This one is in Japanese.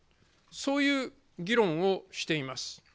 そういう議論をしています。